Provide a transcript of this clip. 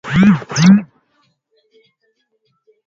Utando machoni na rangi ya njano ni dalili ya homa ya bonde la ufa